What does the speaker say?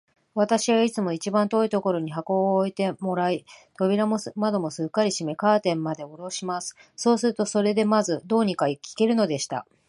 私はいつも一番遠いところに箱を置いてもらい、扉も窓もすっかり閉め、カーテンまでおろします。そうすると、それでまず、どうにか聞けるのでした。